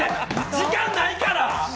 時間ないから！